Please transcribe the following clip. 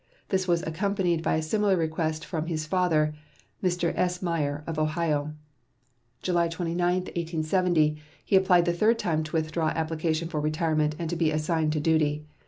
This was accompanied by a similar request from his father, Mr. S. Meyer, of Ohio. July 29, 1870, he applied the third time to withdraw application for retirement and to be assigned to duty.